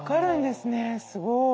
すごい。